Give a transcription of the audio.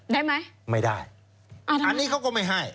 ได้ไหมไม่ได้อันนี้เขาก็ไม่ให้